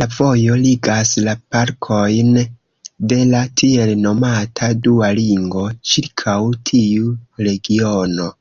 La vojo ligas la parkojn de la tiel nomata "dua ringo" ĉirkaŭ tiu regiono.